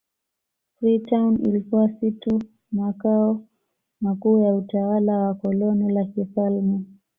Freetown ilikuwa si tu makao makuu ya utawala wa koloni la kifalme